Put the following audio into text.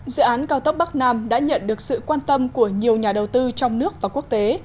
dự án cao tốc bắc nam đã nhận được sự quan tâm của nhiều nhà đầu tư trong nước và quốc tế